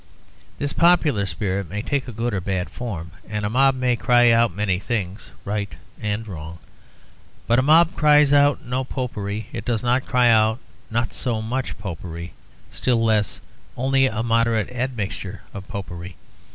This popular spirit may take a good or a bad form; and a mob may cry out many things, right and wrong. But a mob cries out "No Popery"; it does not cry out "Not so much Popery," still less "Only a moderate admixture of Popery."